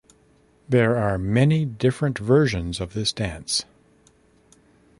There are many different versions of this dance.